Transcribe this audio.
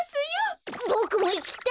ボクもいきたい！